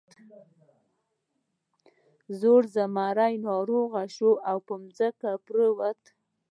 زوړ زمری ناروغ شو او په ځمکه پریوت.